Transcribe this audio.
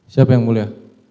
siapa yang mulia